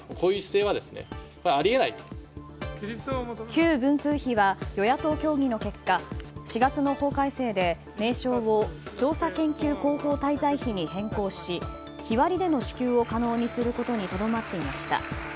旧文通費は与野党協議の結果４月の法改正で、名称を調査研究広報滞在費に変更し日割りでの支給を可能にすることにとどまっていました。